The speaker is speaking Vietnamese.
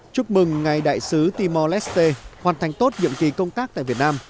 chúc mừng ngài đại sứ timor leste hoàn thành tốt nhiệm kỳ công tác tại việt nam